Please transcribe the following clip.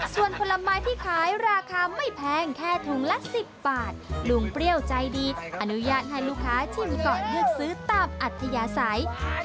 ส่วนผลไม้ที่ขายราคาไม่แพงแค่ถุงละ๑๐บาทลุงเปรี้ยวใจดีอนุญาตให้ลูกค้าชิมก่อนเลือกซื้อตามอัธยาศัย